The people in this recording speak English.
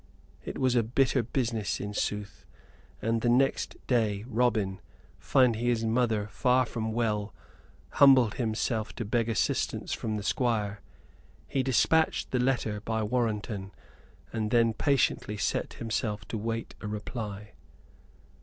It was a bitter business, in sooth: and next day Robin, finding his mother far from well, humbled himself to beg assistance from the Squire. He despatched the letter by Warrenton, and then patiently set himself to wait a reply.